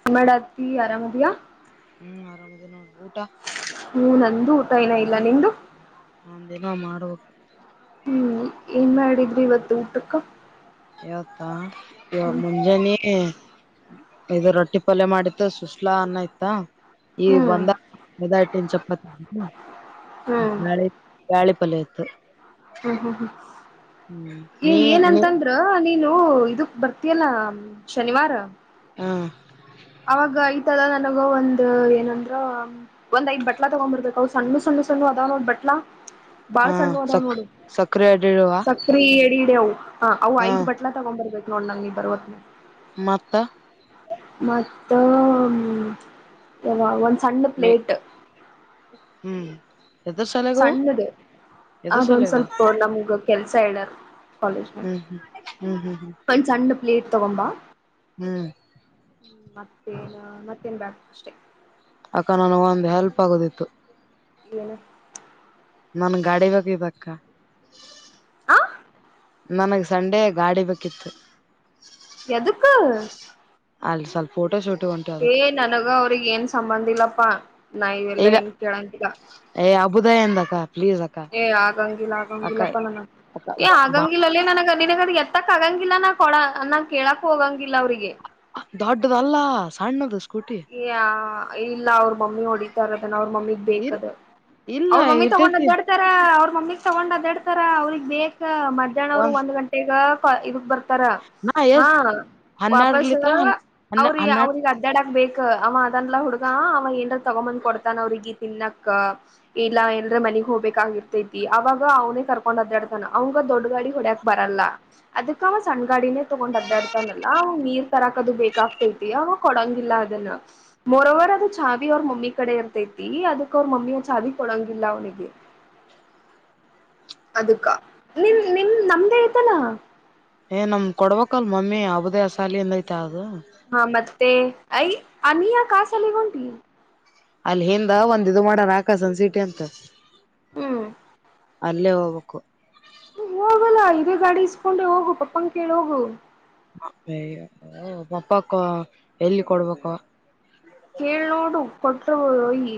[unintelligible] ಆರಾಮದಿಯಾ. ಹ್ಮ್ ಅರಾಮಿದಿನಿ ನೋಡ್ ಊಟ. ಹ್ಮ್ ನಂದು ಊಟ ಇನ ಇಲ್ಲ ನಿಂದು. ನಂದ ಇನ ಮಾಡಬೇಕು ಹ್ಮ್ ಏನ್ ಮಾಡಿದ್ರಿ ಇವತ್ತು ಊಟಕ್ಕ. ಇವತ್ತ್ ಈವಾಗ್ ಹ್ಮ್ ಮುಂಜಾನಿ ಇದು ರೊಟ್ಟಿ ಪಲ್ಯ ಮಾಡಿತ್ತು ಸುಸ್ಲಾ ಅನ್ನ ಇತ್ತಾ ಈ ಹ್ಮ್ ಬಂದ- [unintelligible] ಚಪಾತಿ [unintelligible] ಹ್ಮ್ ಬ್ಯಾಳಿಪಲ್ಯ ಇತ್ತು. ಹ್ಮ್ ಹ್ಮ್ ಹ್ಮ್ ಹ್ಮ್ ಹೇ ನೀ ನೀ ಏನಂತಂದ್ರ. ಹ ನೀನು ಇದಕ್ ಬರ್ತಿಯಲ್ಲಾ ಶನಿವಾರ. ಹಾ ಅವಾಗ ಇತರ ನನಗು ಒಂದ್ ಏನಂದ್ರ ಒಂದ್ ಐದ್ ಬಟ್ಲಾ ತೊಗೊಂಡುಬರ್ಬೇಕ ಸಣ್ಣ ಸಣ್ಣು ಸಣ್ಣ ಅದಾವ್ ನೋಡ ಬಟ್ಲಾ ಬಾಳ ಹ ಸಣ್ಣು ಅದಾವ್ ಸಕ್ ನೋಡ ಸಕ್ರೆ ಅಡಿಡುವ ಸ ಫ್ರೀ ಎಡಿ ಹಿಡವು ಅವು ಹ ಐದು ಬಟ್ಲ ತಗೊಂಡು ಬರ್ಬೇಕು ನೋಡ್ ನಿನ್ ಬರುವತನ್ಯಾಗ ಮತ್ ಮತ್ತ ಒಂದ್ ಸಣ್ಣ ಪ್ಲೇಟ್. ಹುಂ ಸಣ್ಣ ದ್ ಎದುರ್ ಅದೊಂದ್ ಸಲೆಗವು ಸ್ವಲ್ಪ ನಮಗ್ ಕೆಲಸಾ ಹೇಳಾ ಕಾಲೇಜ್ ನಾಗ ಹ್ಮ್ ಹ್ಮ್ ಹ್ಮ್ ಹ್ಮ್ ಒಂದು ಸಣ್ಣ ಪ್ಲೇಟ್ ತಗೊಂಡಬಾ. ಹುಂ ಮತ್ತೇನ್ ಮತ್ತೇನ್ ಬ್ಯಾಡ ಅಷ್ಟೇ. ಅಕ್ಕಾ ನನಗ ಒಂದ್ ಹೆಲ್ಪ್ ಆಗುದಿತ್ತು ಏನ್ ನನ್ ಗಾಡಿ ಬೇಕಾಗೇತೀ ಅಕ್ಕಾ ಆ ನನಗ ಸಂಡೆ ಗಾಡಿ ಬೇಕಿತ್ತು ಎದಕ್ಕ ಅಲ್ಲಿ ಸ್ವಲ್ಪ ಫೋಟೋ ಶೂಟ್ ಹೋಟ್ ಏ ನನಗ ಅವ್ರಗ್ ಏನ್ ಸಂಬಂಧ ಇಲ್ಲಪ್ಪಾ ನಾ ಇವೆಲ್ಲಾ ಇಲ್ಲ ಏನ್ ಕೇಳಾಗಿಲ್ಲಾ ಏ ಅಬುದಾಯದಕ್ಕಾ ಪ್ಲೀಸ್ ಅಕ್ಕಾ ಏ ಆಗಂಗಿಲ್ಲ ಆಗಂಗಿಲ್ಲಪ್ಪಲ್ಲ ಅಕ್ಕ ನನಗ ಬಾ ಆಗಂಗಿಲ್ಲಾ ಅಲ್ಲೇ ನನಗ ನಿನಗಾದ ಎತ್ತಕ್ಕ ಆಗಾಗಿಲ್ಲಾ ನಾ ಕೊಡ ಅನ್ನ ಕೇಳಕ್ಕ ಹೋಗಾಗಿಲ್ಲ ಅವ್ರಿಗೆ. ದೊಡ್ಡದಲ್ಲಾ ಸಣ್ಣದು ಸ್ಕೂಟಿ ಈ ಇಲ್ಲ ಅವ್ರ ಮಮ್ಮಿ ಹೊಡಿ ದ ಅವ್ರ ಮಮ್ಮಿಗ್ ಇಲ್ ಬೇಕದ ಇಲ್ಲ ಅವ್ರ ಮಮ್ಮಿ ತಗೊಂಡ್ ಇರ್ತೇತಿ ತರ ಅವ್ರ ಮಮ್ಮಿಗ್ ತೊಗೊಂಡ್ ಅಡ್ಯಾಡತಾರ್ ಅವ್ರಗ್ ಬೇಕ ಮಧ್ಯಾಹ್ನ ಅವರು ಒಂದ್ ಗಂಟೆ ಈಗ ಕಾ ಇದಕ್ ಬರ್ ತರಾ ನಾ ಹಾ ಎಷ್ಟ ಹನ್ನೆರಡು ವಾಪಸ್ ಲೀಟ್ರ ಹನ್ ಹನ್ನ ಅವ್ರಿ ಹನ್ನೆರಡು ಅವ್ರಿಗೆ ಅಡ್ಯಾಡಕ್ ಬೇಕ ಅವ ಅದನಲಾ ಹುಡುಗಾ ಅವ ಏನ್ ತಗೊಂಬಂದ್ ಕೊಡ್ತಾನ ಅವ್ರಿಗೆ ತಿನ್ನಾಕ್ ಇಲ್ಲಾ ಎಲ್ರೆ ಮನಗ್ ಹೋಗ್ಬೇಕಾಗಿರ್ತೈತಿ ಅವಾಗ ಅವನೇ ಕರ್ಕೊಂಡ್ ಅದ್ ಒಡ್ತಾನ ಅವಗ ದೊಡ್ಡ ಗಾಡಿ ಹೊಡ್ಯಾಕ್ ಬರಲ್ಲಾ ಅದಕ್ಕ ಅವಾ ಸಣ್ಣ ಗಾಡಿನೇ ತೊಗೊಂಡ್ ಅದ್ದಾಡ್ತಾನಲ್ಲಾ ಅವ ನೀರ್ ತರಾಕದು ಬೇಕಾಗ್ತೈತಿ ಅವಾ ಕೊಡಂಗಿಲ್ಲಾ ದಲ್ಲ್ ಮೊರೊವರ್ ಅದು ಛಾವಿ ಅವ್ರ ಮಮ್ಮಿ ಕಡೆ ಇರ್ತೈತಿ ಅದಕ್ ಅವ್ರ ಮಮ್ಮಿಯ ಛಾವಿ ಕೊಡಂಗಿಲ್ಲಾ ಅವನಿಗೆ ಅದಕ್ಕ ನಿಮ ನಿಮ ನಮ್ದೇ ಐತಲಾ ಏ ನಮಗ ಕೊಡ್ಬೇಕಲ್ ಮಮ್ಮಿ ಅಬುದೇ ಅಸಾಲಿಂದ ಐತ ಅದು. ಹಾ ಮತ್ತೆ ಐಯ ಅನಿಯಾ ಕಾಸ ಅಲ್ಲಿಗ ಹೋಂಟಿ ಅಲ್ಲಿ ಹಿಂದ ಒಂದ ಇದು ಮಾಡಾರ ಆಕಾಶಂದ ಸೀಟಿ ಅಂತ. ಹುಂ ಅಲ್ಲೇ ಹೋಗ್ಬೇಕು ಹೋಗಲ್ಲಾ ಇದೇ ಗಾಡಿ ಇಸ್ಕೊಂಡೆ ಹೋಗು ಪಪ್ಪನ್ ಕೇಳ ಹೋಗು ಅಯ್ಯ ಪಪ್ಪಾಕ್ಕ ಎಲ್ಲಿ ಕೊಡ್ಬೇಕ ಅವಾ ಕೇಳಿ ನೋಡು ಕೊಟ್ರು ಒಯಿ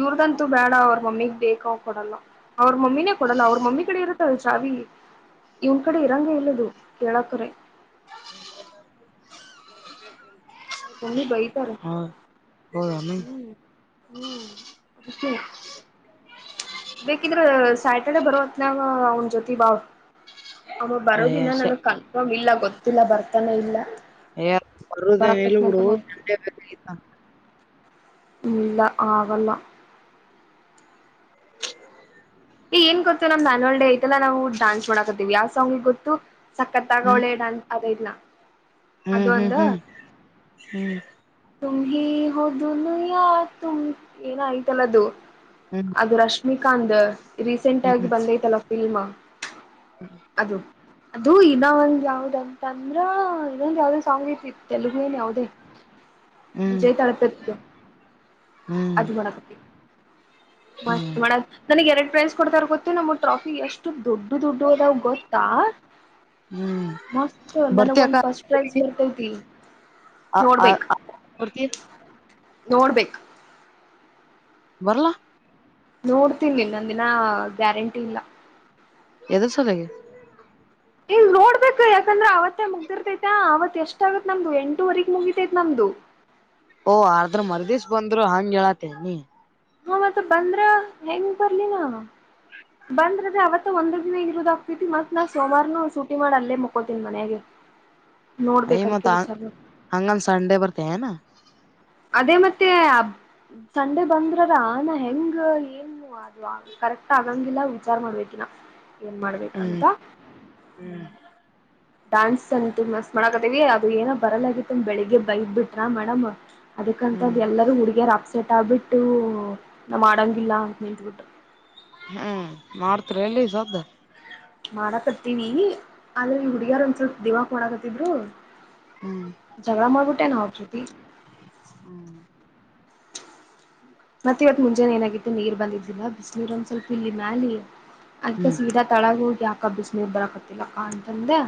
ಇವ್ರ್ದಂತು ಬೇಡ ಅವ್ರ ಮಮ್ಮಿಗ್ ಬೇಕಾವ್ ಕೊಡಲ್ಲಾ ಅವ್ರ ಮಮ್ಮಿನೇ ಕೊಡಲ್ಲಾ ಅವ್ರ ಮಮ್ಮಿ ಕಡೆ ಇರುತ್ತೆ ಚಾವಿ ಇವನ್ ಕಡೆ ಇರಂಗ ಇಲ್ಲದು ಕೇಳಾಕರೆ. [unintelligible] ಅವ್ರ ಮಮ್ಮಿ ಬೈತಾರ ಹ ಹ್ಮ್ ಹ್ಮ್. [unintelligible] ಬೇಕಿದ್ರೆ ಸ್ಯಾಟರ್ಡೆ ಬರವತ್ನಾಗ ಅವ್ನ್ ಜ್ಯೋತಿ ಬಾವ್. ಅವ ಬರೋದಿನ ಹೌದಾನ ನನಗ್ ಕನ್ಫರ್ಮ್ ಇಲ್ಲ ಗೊತ್ತಿಲ್ಲ ಬರ್ತಾನೆ ಇಲ್ಲ. ಹೆ ಬರೊದ ಹೇಳಿಬುಡು ಬರಕತ್ನಂತಾನ [unintelligible] ತ. ಇಲ್ಲ ಆಗಲ್ಲ. ಈ ಏನ್ ಗೊತ್ತು ನಮ್ ಅ್ಯನ್ಯಲ್ ಡ ಐತೆಲ್ಲ ನಾವು ಡಾನ್ಸ್ ಮಾಡಡಕತ್ತೀವಿ ಯಾ ಸಾಂಗ್ ಗೊತ್ತು. ಸಕ್ಕತಾಗೋಳೆ ಡಾನ್ ಅದೆದ್ನ. ಹ್ಮ್ ಹ್ಮ್ ಹ್ಮ್ ಹ್ಮ್. ತುಮ್ ಹಿ ಹೋ ದುನಿಯಾ ತುಮ್ ಏನಯ್ತಲ್ಲದು. ಹ್ಮ ಅದು ರಶ್ಮಿಕಾಂದ ರೀಸೆಂಟ್ ಆಗಿ ಬಂದೈತಲ್ಲ ಫಿಲ್ಮ್. ಹ್ಮ ಅದು ಅದು ಇನ್ನ ಒಂದ ಯಾವ್ದ ಅಂತ ಅಂದ್ರ ಇನ್ನೊಂದ ಯಾವ್ದೇ ಸಾಂಗ್ ಐತಿ ತೆಲುಗು ಏನ್ ಯಾವ್ದೇ. ಹ್ಮ್ ವಿಜಯ್ ದಳಪತಿದು. ಹ್ಮ್ ಅದು ಮಾಡಕತ್ ಮಸ್ತ್ ಹ್ಮ್ ಮಾಡನ್ ನನಗ್ ಎರಡ್ ಪ್ರೈಸ್ ಕೊಡ್ತಾರೆ ಗೊತ್ ತ ನಮ್ಮ್ ಟ್ರಾಫಿ ಎಷ್ಟು ದೊಡ್ಡು ದೊಡ್ಡುವು ಅದಾವ ಗೊತ್ತಾ. ಹ್ಮ್ ಮಸ್ತ್ ನನಗ ಒಂದ್ ಫಸ್ಟ್ ಪ್ರೈಜ್ ಬರ್ತೈತಿ. ಅ ಅ ಅ ಕುಡ್ತಿ. ನೋಡ್ಬೇಕು. ಬರ್ಲಾ. ನೋಡ್ತೀನ್ ನಿನಂದ ನಾ ಗ್ಯಾರಂಟಿ ಇಲ್ಲ. ಎದು ಸಲಗಿ. ಎ ಇಲ್ ನೋಡ್ಬೇಕ ಯಾಕಂದ್ರ ಅವತ್ತೇ ಮುಗ್ದಿರ್ತೈತ ಅವತ್ ಎಷ್ಟ ಆಗತ್ ನಮ್ದು ಎಂಟೂವರೆಗ ಮುಗಿತೈತ್ ನಮ್ದು. ಓ ಅರ್ದ್ರ ಮರ್ದಿಸ ಬಂದ್ರು ಹಂಗ್ಗೆಳತಿಯಾನ್ ನೀ. ಹ ಮತ್ತ ಬಂದ್ರ ಹೆೇಂಗ ಬರ್ಲಿನ. ಬಂದ್ರಬಿ ಅವವತ್ತ ಒಂದ ದಿನ ಇರೋದ ಆಗ್ತೈತಿ ಮತ್ ನಾನ್ ಸೋಮಾರನು ಶೂಟಿ ಮಾಡಿ ಅಲ್ಲೇ ಮುಕೋತೀನಿ ಮನ್ಯಗೆ. [inaudible] ಐ ಮತಾ ಹಂಗಂದ ಸಂಡೆ ಬರ್ತಿ ಏನಾ. ಅದೇ ಮತ್ತೆ ಅ ಸಂಡೆ ಬಂದ್ರರ ಆನ ಹೆಂಗ ಏನು. ಆದ್ವ ಕರೆಕ್ಟ್ ಅಂಗಿಲ್ಲಾ ವಿಚಾರ ಮಾಡಬೇಕಿನ್ನ. ಏನ್ ಹ್ಮ್ ಮಾಡ್ಬೇಕಂತ ಹ್ಮ. ಹ್ಮ್ ಡಾನ್ಸ್ ಅಂತು ಮಸ್ತ್ ಮಾಡಕತ್ತೇವಿ ಅದು ಏನೋ ಬರಲಾಗಿತ್ತು ಬೆಳಗ್ ಬೈದ ಬಿಟ್ರ ಮೇಡಮ್. ಅದಕ್ಕಂತ ಹ್ಮ್ ಎಲ್ಲರೂ ಹುಡುಗಿಯರ ಅಪ್ಸೆಟ್ ಆಗ್ಬಿಟ್ಟು ನಾವ್ ಮಾಡಂಗಿಲ್ಲ ಅಂತ ನಿಂತತ್ಬಿಟ್ಟು. ಹ್ಮ್ ಮಾಡ್ತರಿ ಎಲ್ಲಿ ಸದ್ದ. ಮಾಡಕತ್ತೀನಿ ಆದ್ರೆ ಈ ಹುಡುಗ್ಯರ ಒಂದ್ ಸ್ವಲ್ಪ ದಿವಾಕ್ ಮಾಡಕತ್ತಿದ್ರು. ಹ್ಮ್ ಜಗಳ ಮಾಡ್ಡಬಿಟ್ಟೆನಾ ಅವ್ರು ಜೊತಿ. ಹ್ಮ್ ಮತ್ತೆ ಇವತ್ ಮುಂಜಾನೆ ಏನಾಗಿತ್ತು ನೀರ್ ಬಂದಿದ್ದಿಲ್ಲ ಬಿಸನಿರ್ ಒಂದ್ ಸ್ವಲ್ಪ ಇಲ್ಲಿ ಮ್ಯಾಲ ನಿ ಅದಕ ಹ್ಮ್ ಸ್ಪೀಡಾಗ್ ತಳಗ ಹೋಗಿ ಯಾಕ ಬಿಸ ನೀರ್ ಬರಕತ್ತಲ್ಲಕ್ಕ ಅಂತಂದೆ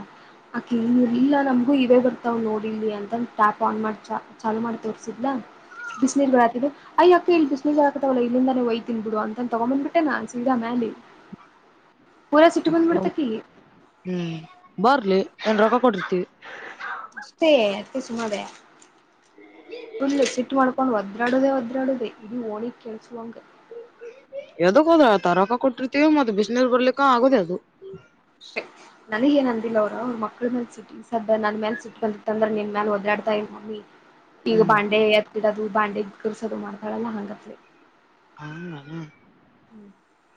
ಆಕಿ ನೀರ್ ಇಲ್ಲಾ ನಮ್ ಗು ಇವೇ ಬರ್ತಾವ ನೋಡಿಲ್ಲಿ ಅಂತ ಅಂದ್ ಟ್ಯಾಪ್ ಆನ್ ಮಾಡಿ ಚ ಚಾಲು ಮಾಡಿ ತೋರ್ರಿಸಿದಲಾ. ಬಿಸಿನೀರ್ಗಳ್ಯಾತಿದ್ವು ಅಯ್ಯಪ್ ಇಲ್ಲಿ ಬಿಸಿನೀರ್ ಬಿಳಕತವ್ಲೆ ಇಲ್ಲಿಂದಾನೇ ವೈತಿನಿ ಬಿಡು ಅಂತ ತಗೊಂಬಂದ್ಬಿಟೆನ್ನ ಸೀದಾ ಮ್ಯಾಲಿ. ಪೂರಾ ಸಿಟ್ಟುಬಂದ್ಬಿಡ್ತ ಅಕಿಗಿ. ಹ್ಮ್ ಬರ್ಲಿ ಎನ್ ರೊಕ್ಕ ಕೋಟ್ ಇರ್ತೀವಿ. ಅಷ್ಟೇ ಅದ್ಕೆ ಸುಮ್ಮದೇ ಫುಲ್ ಸಿಟ್ ಮಾಡ್ಕೊಂಡು ಒದ ಒದ್ರಾಡುದೇ ಒದ್ರಾಡುದೆ ಇದು ಓಣಿಗ್ ಕೇಳುಸುವಂಗ. ಯದಕ್ ಹೋದ ತರಕ ಕೊಟ್ಟಿರ್ತಿವಿ ಮತ್ತ ಬಿಸ್ನೀರ್ ಬರ್ಲಿಕ್ಕ ಆಗಿದೆ ಅದು. ಅಷ್ಟೆ ನನಗ್ ಏನ್ ಅಂದಿಲ್ಲ ಅವ್ರ ಅವ್ರ ಮಕ್ಳ ಸಿಟ್ಟ್ ಸದ್ಯ ನನ್ ಮ್ಯಾಲ ಸಿಟ್ ಬಂದಿತ್ತ ಅಂದ್ರ ನಿನ್ ಮ್ಯಾಲ ಓದ್ತಾಡ್ತ ಇದ್ನಿ. ಈಗ ಹ್ಮ್ ಬಾಂಡೆ ಎತ್ ಹಿಡದು ಬಾಂಡೆ ಕುಕ್ಕರ್ಸುದ ಮಾಡ್ತಾಳಲ್ಲ ಹಂಗತ್ಲೆ. ಹಾಂಗನಾ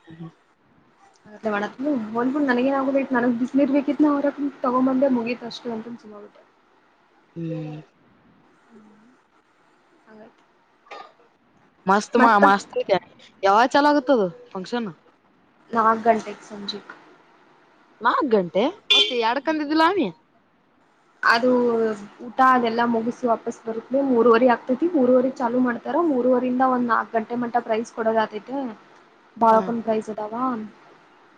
ಹಾ ಹಾ ಹಂಗತ್ಲೆ [unintelligible] ಹೋಲ್ ಬಿಡು ನನಗೇನ್ ಆಗೋದ ಐತ್ ನನಗ್ ಬಿಸ್ನೀರ್ ರ್ಬೇಕಿತ್ [unintelligible] ತಗೊಂಬಂದೆ ಮುಗಿತ್ ಅಷ್ಟ ಅಂತ ಸುಮ್ನಗಿಬಿಟ್ಟೆ. ಹ್ಮ್ ಹಂಗಾಯ್ತ. ಮಸ್ತ್ ಮಾ ಮಸ್ತ್ ಐತ್ಯ ಯಾವಾಗ ಚಾಲೂ ಆಗುತ್ತ ಅದು ಫಂಕ್ಷನ್. ನಾಲ್ಕು ಗಂಟೆಕ ಸಂಜಿಕ್ ನಾಲ್ಕ್ ಗಂಟೆ ಮತ್ತ ಎರಡ್ ಅಂದಿದಿಲ್ಲ ನೀ ಅದು ಊಟ ಅದೆಲ್ಲ ಮುಗಿಸಿ ವಾಪಸ್ ಬರುತ್ಲೆ ಮೂರುವರಿ ಆಗ್ತೈತಿ ಮೂರುವರಿ ಚಾಲು ಮಾಡ್ತಾರ ಮೂರುವರಿಂದ ಒಂದ ನಾಲ್ಕು ಗಂಟೆ ಮಟ್ಟ ಪ್ರೈಸ್ ಕೊಡೋದ ಆತೈತ. ಹ ಬಾಳಕೊಂಡ ಫ್ರೈಸ್ಇದಾವ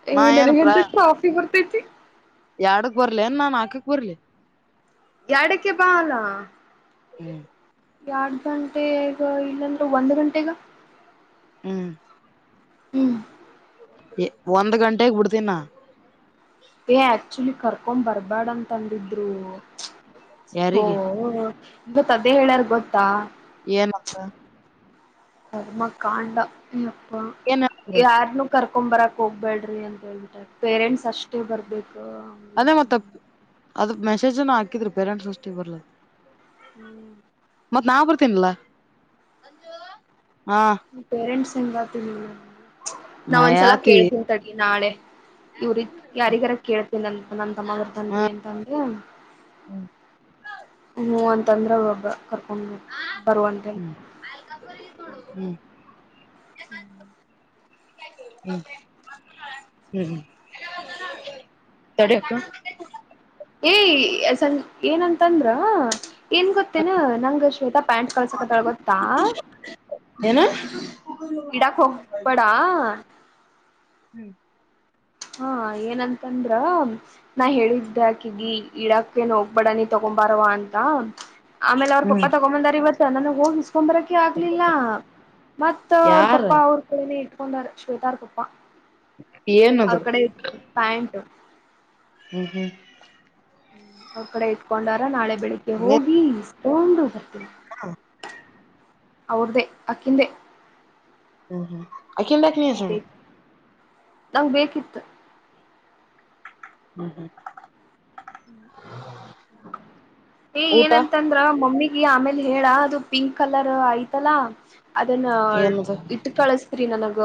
ಹೇ ನಾ ನನಗ ಏನಪ್ರ ಒಂದ ಟ್ರೋಫಿ ಬರ್ತೈತಿ. ಎರಡಕ್ ಬರ್ಲೆನ್ ನಾ ನಾಕಕ್ ಬರ್ಲಿ. ಎಡಕ್ಕೆ ಬಾ ಅಲ್ಲ. ಹ್ಮ. ಎರಡ್ ಗಂಟೆಗ ಇಲ್ಲಂದ್ರ ಒಂದ್ ಗಂಟೆಗ. ಹ್ಮ್ ಹ್ಮ್ ಏ ಒಂದ್ ಗಂಟೆಗ್ ಬಿಡ್ತೀನ ನಾ ಏ ಆಕ್ಚುಲಿ ಕರ್ಕೊಂಡು ಬರ್ಬ್ಯಡ ಅಂತ ಅಂದಿದ್ರು. ಓ ಯಾರಿಗೆ ಗೊತ್ತ ಅದೇ ಹೇಳ್ಯಾರ ಗೊತ್ತಾ. ಏನಂತ. ಕರ್ಮ ಕಾಂಡಾ ಅಪ್ಪ ಏನ್ ಹೇಳ್ತಾರ ಯಾರನ್ನುು ಕರ್ಕೊಂಡು ಬರಕ್ ಹೋಗ್ಬ್ಯಾಳ್ರಿ ಹೇಳ್ಬಿಟರಿ ಪೇರೆಂಟ್ಸ್ ಅಷ್ಟೇ ಬರ್ಬೇಕ. ಅದೇ ಮತ್ ಅದಕ್ ಮೆಸೇಜ್ನ ಹಾಕಿದ್ರು ಪೇರೆಂಟ್ಸ್ ಮೀಟಿಂಗ್ ಬರ್ಲ ಹ್ಮ್ ಮತ್ ನಾ ಬರ್ತೀನಲ್ಲ ಮಂಜು ಹ ಪೇರೆಂಟ್ಸ್ ಇರಲಾಕಿಲ ನಾ ಒಂದ್ಸಲ ಕೇಳ್ತೀನಿ ತಡಿ ನಾಳೆ ಇವ್ರಿಗ್ ಯಾರಿಗಾರ ಕೇಳ್ತೇನ ನನ್ ತಮ್ಮ ಬರ್ತಾನ್ರಿ ಅಂತ ಅಂದ ಹ್ಮ್ ಹ್ಮ ಅಂತಂದ್ರ ಒಬ್ಬ ಕರ್ಕೊಂಡ್ ಬರುವ [unintelligible] ಅಲ್ ರಂಗೋಲಿ ಐತ್ ನೋಡ್ ಉರಾಗ್ ಹ್ಮ್ ಹ್ಮ್ ಹ್ಮ ಹ್ಮ್ ಹ್ಮ್ [unintelligible] ತಡಿ ಅಕ್ಕ. ಏಯ [unintelligible] ಏನಂತಂದ್ರ. ಏನ್ ಗೊತ್ತೇನ ನಂಗ ಶ್ವೇತಾ ಪ್ಯಾಂಟ್ ಕಳ್ಸಕತಳ ಗೊತ್ತಾ. ಏನ ಇಡಾಕ [unintelligible] ಬಡಾ. ಹ್ಮ್ ಹಾ ಏನಂತಂದ್ರ. ನಾ ಹೇಳಿದ್ದ ಅಕಿಗಿ ಇಡಾಕ ಎನ್ ಹೋಗ್ಬಡ ನೀ ತಗೊಂಬಾರವಾ ಅಂತಾ. ಆಮೇಲೆ ಅವ್ರ ಪಪ್ಪಾ ತಗೊಂಬಂದಾರ ಇವತ್ತ ನನಗ ಹೋಗಿ ಇಸ್ಕೊ. ಆಗ್ಲಿಲ್ಲ ಮತ್ತ ಅವ್ರ ಯಾರ ಪಪ್ಪಾ ಅವ್ರ ಕಡನೇ ಇಟ್ಕೊಂಡಾರ ಶ್ವೇತಾರ ಪಪ್ಪಾ. [inaudible] ಅವ್ರ ಕಡೆ ಪ್ಯಾಂಟು. ಹ್ಮ ಹ್ಮ. ಅವ್ರ ಕಡೆ ಇಟ್ಕೊಂಡಾರ ನಾಳೆ ಬೆಳಿಗ್ಗೆ ಹೋಗಿ ಇಸ್ಕೊಂಡು ಬ. ಹಾ. ಅವ್ರ್ದೇ ಅಕ್ಕಿಂದೆ. ಹ್ಮ ಹ್ಮ. [unintelligible] ನಂಗ್ ಬೇಕಿತ್ತು. ಹ್ಮ ಹ್ಮ. ಏ ಏನಂತಂದ್ರ ಮಮ್ಮಿಗೆ ಆಮೇಲೆ ಹೇಳ ಅದು ಪಿಂಕ್ ಕಲರ್ ಅಯ್ತಲ್ಲಾ. ಅದನ್ನ ಏನದು ಇಟ್ಟ ಕಳಸ್ತ್ರಿ ನನಗ.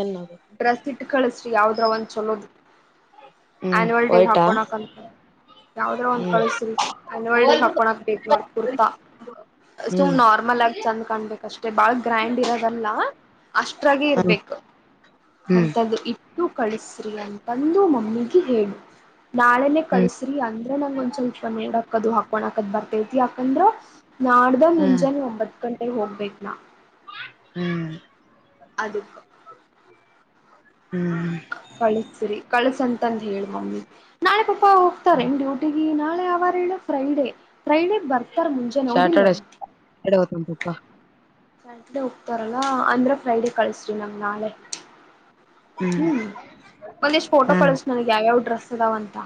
ಎನ್. ಡ್ರೆಸ್ ಇಟ್ಟ ಕಳಸ್ರಿ ಯಾವದ್ರ ಒಂದ್ ಚೋಲೋದ ಹ್ಮ್ ಆನ್ಯುವಲ್ ಡೇಗ ವೈಟಾ ಹಾಕೋಣಾಕಂತ. ಯಾವದ್ರ ಒಂದ್ ಹ್ಮ್ ಕಳಸ್ರಿ ಅನ್ಯುವಲ್ ಡೇ ಗ ಹಾಕೋಣಾಕ ಬೇಕ ನೋಡ್ರಿ ಕುರ್ತಾ. ಸುಮ್ಮ ಹ್ಮ್ ನಾರ್ಮಲ್ ಆಗಿ ಚೆಂದ್ ಕಾಣ್ಬೇಕ ಅಷ್ಟೇ ಬಾಳ ಗ್ರ್ಯಾಂಡ್ ಇರದಲ್ಲಾ. ಅಷ್ಟ್ರಾಗಿ ಹ್ಮ್ ಇರ್ಬೇಕು. ಹ್ಮ್ ಅಂತದ ಇಟ್ಟು ಕಳಸ್ರಿ ಅಂತಂದು ಮಮ್ಮಿಗೆ ಹೇಳ. ನಾಳೆನೆೇ ಕಳಸ್ರಿ ಅಂದ್ರ ನಂಗ ಒಂದ ಸ್ವಲ್ಪ ನೋಡಕದು ಹಾಕೊಣಾಕ ಅದ ಬರ್ತತಿ ಯಾಕಂದ್ರ. ನಾಡ್ದ ಹ್ಮ್ ಹ್ಮ್ ಮುಂಜನೆ ಒಂಬತ್ತ ಗಂಟೆಗೆ ಹೋಗ್ಬೇಕ ನಾ. ಹ್ಮ್. ಅದಕ. ಹ್ಮ್. ಕಳಿಸ್ರಿ ಕಳಸಂತಂದ ಹೇಳ ಮಮ್ಮಿಗೆ. ನಾಳೆ ಪಪ್ಪಾ ಹೋಗ್ತಾರ ಎನ್ ಡ್ಯೂಟಿಗೆ ನಾಳೆ ಯಾವಾರ ಹೇಳ ಫ್ರೈಡೇ ಫ್ರೈಡೇ ಬರ್ತಾರ ಮುಂಜ. ಸ್ಯಾಟರ್ಡೇ. [unintelligible] ಸ್ಯಾಟರ್ಡೇ ಹೋಗ್ತಾರಲ್ಲ ಅಂದ್ರೆ ಫ್ರೈಡೆ ಕಳಸ್ರಿ ನಂಗ್ ನಾಳೆ. ಹ್ಮ್ ಒಂದಿಷ್ಟ ಫೋಟೋ ಕಳಸ ನನ್ಗ್ ಯಾವ್ಯಾವ ಡ್ರೆಸ್ ಅದಾವ ಅಂತಾ.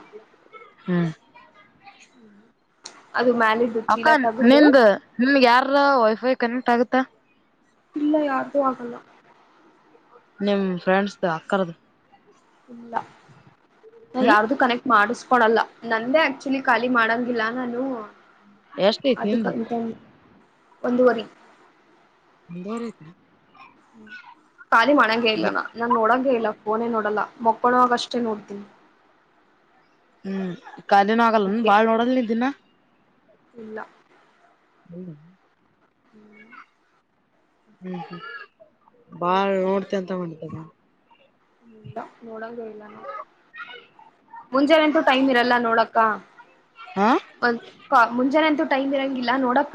ಹ್ಮ. ಅದು. [unintelligible] ಅಕ್ಕಾ ತಗದು ನಿಂದ ನಿಮಗೆ ಯಾರರ ವೈಫೈ ಕನೆಕ್ಟ್ ಆಗುತ್ತಾ. ಇಲ್ಲ ಯಾರದೂ ಆಗಲ್ಲ ನಿಮ್ ಫ್ರೆಂಡ್ಸ್ ದ ಅಕ್ಕರ್ದು. ಇಲ್ಲ ನಾ ಹ್ಮ್ ಯಾರ್ದು ಕನೆಕ ಮಾಡಸ್ಕೊಳಲ್ಲಾ ನಂದೇ ಆಕ್ಚುಲಿ ಖಾಲಿ ಮಾಡಂಗಿಲ್ಲ ನಾನು. ಎಷ್ಟ ಐತಿ ನಿಂದು ಅದುಕ್ಕಂತದ ಒಂದು ವರಿ. [unintelligible] ಖಾಲಿ ಮಾಡಂಗೆಲ್ಲಾ ನಾನ್ ನೋಡಂಗ ಇಲ್ಲ ಫೋನೇ ನೋಡಲ್ಲ ಮಕ್ಕೂಳವಾಗ ಅಷ್ಟೇ ನೋಡ್ತೀನಿ. ಹ್ಮ್ ಖಾಲನ ಆಗಲ್ಲ ಅದಕ್ಕೆ ಬಾಳ್ ನೋಡದ ನಿ ದಿನಾ ಇಲ್ಲ ಹ್ಮ್ ಹ್ಮ್ ಬಾಳ್ ನೋಡ್ತೆ ಅಂತ ಮಾಡತದ ಇಲ್ಲ ಮೂೋಡ ಕಲ ನಾ ಮುಂಜಾನೆಂತೂ ಟೈಮ್ ಇರಲ್ಲ ನೋಡಕ್ಕ ಹಾ ಒ ಮುಂಜಾನೆ ಅಂತೂ ಟೈಮ್ ಇರಂಗಿಲ್ಲ ನೋಡಕ್ಕ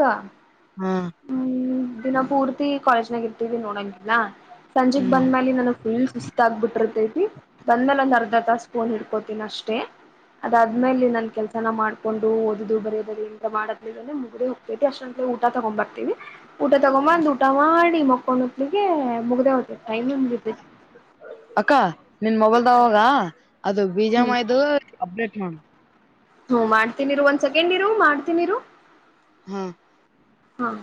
ಹಾ ಹ್ಮ್ ದಿನ ಪೂರ್ತಿ ಕಾಲೇಜ್ನಾಗ ಇರ್ತಿದವಿ ನೋಡಂಗಿಲ್ಲಾ ಸಂಜೆೆಗೆ ಬಂದ ಹ್ಮ್ ಮೇಲೆ ನಾನ ಫುಲ್ ಸುಸ್ತ ಆಗ್ಬಿಟ್ಟಿರ್ತೈತಿ ಬಂದ ಮೇಲೆ ಒಂದು ಅರ್ಧರ್ ತ ಸ್ಪೂನ್ ಇರ್ತ ಅಷ್ಟೇ ಅದಾದ್ಮೇಲೆ ನನ್ ಕೆಲಸ ನ ಮಾಡಕೊಂಡು ಓದುದು ಬರೋ ಬರಿ ಎಂತ ಮಾಡದ್ಿಲ್ಲಂದ ಮುಗು ಹೋಗ್ಬೇ ಅಷ್ಟೊಂದ ಊಟ ತಗೊಂಡ್ ಬರ್ತೀವಿ ಊಟ ತಗೊ ಅಂದು ಊಟ ಮಾಡಿ ಮಕ್ಕೊಂಡುಕ್ಕಳಿಗೆ ಮುಗ್ದ ಹ್ತದೆ ಟೈಮ್ಂದು ಬತೆ ಅಕ್ಕ ನಿನ್ ಮೊಬೈಲ್ದಾಗ ಅದು ಬೀಜಾಮ ಹ್ಮ್ ಇದು ಅಪ್ಡೇಟ್ ಮಾಡ ಹ್ಮ್ ಮಾಡ್ತೀನಿ ಒಂದ್ ಸೆಕೆಂಡ್ ಇರು ಮಾಡ್ತೀನಿರು ಹಾ ಹ್ಮ